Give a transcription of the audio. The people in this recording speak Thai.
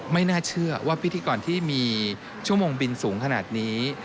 ไม่น่าเชื่อว่าพิธีกรที่มีชั่วโมงบินสูงขนาดนี้